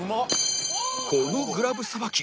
このグラブさばき